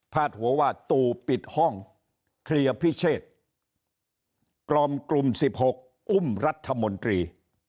หัวว่าตู่ปิดห้องเคลียร์พิเชษกล่อมกลุ่ม๑๖อุ้มรัฐมนตรี